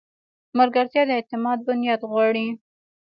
ملګرتیا د اعتماد بنیاد غواړي.